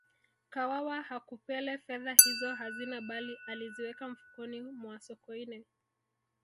kawawa hakupele fedha hizo hazina bali aliziweka mfukoni mwa sokoine